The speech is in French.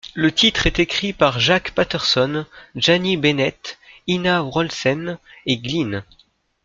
Le titre est écrit par Jack Patterson, Janee Bennett, Ina Wroldsen et Glynne.